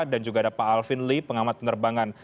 dan juga ada pak alvin lee pengamat penerbangan